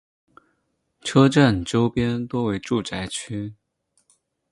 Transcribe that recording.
车站周边多为住宅区。